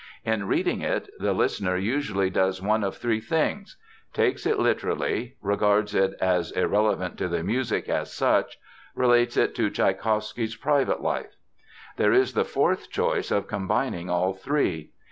In reading it the listener usually does one of three things: takes it literally; regards it as irrelevant to the music as such; relates it to Tschaikowsky's private life. There is the fourth choice of combining all three.